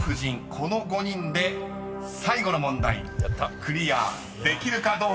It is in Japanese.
この５人で最後の問題クリアできるかどうか］